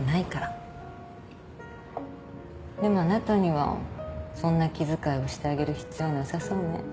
でもあなたにはそんな気遣いをしてあげる必要なさそうね。